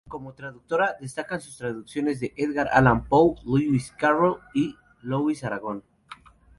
Como traductora, destacan sus traducciones de Edgar Allan Poe, Lewis Carroll y Louis Aragon.